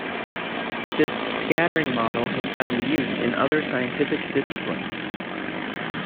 This scattering model has found use in other scientific disciplines.